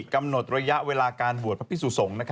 กำหนดระยะเวลาการบวชพระพิสุสงฆ์